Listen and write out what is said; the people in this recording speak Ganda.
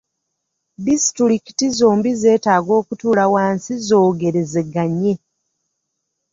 Disitulikiti zombi zeetaaga okutuula wansi zoogerezeganye.